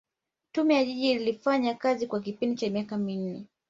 Tume ya Jiji ilifanya kazi kwa kipindi cha miaka minne